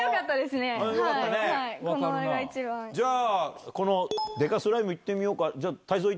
じゃあこのデカスライム行ってみようか。